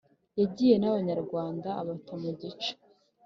yagiye nabanyarwanda abata mu gico